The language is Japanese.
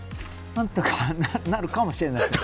何とかなるかもしれないです。